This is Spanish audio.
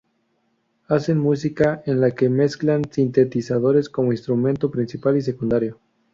Hacen música en la que mezclan sintetizadores como instrumento principal y secundario.